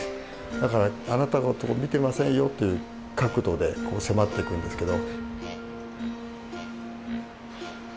だからあなたのこと見てませんよという角度で迫っていくんですけど。